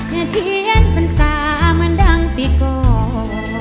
แม่เทียนพันศาเหมือนดังปีก่อน